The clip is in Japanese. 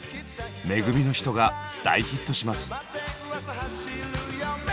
「組の人」が大ヒットします。